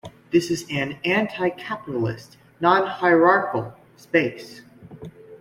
This is an anti-capitalist, non-hierarchical space.